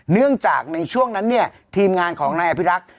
เนื่องจากในช่วงนั้นเนี่ยทีมงานของนายอภิรักษ์